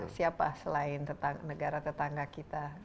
siapa selain negara tetangga kita